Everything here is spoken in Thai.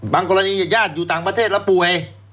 กรณีญาติอยู่ต่างประเทศแล้วป่วย